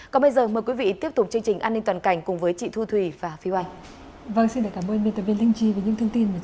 còn bây giờ mời quý vị tiếp tục chương trình an ninh toàn cảnh cùng với chị thu thùy và phi hoàng